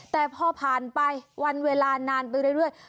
แต่พอผ่านไปวันเวลานานไปเรื่อย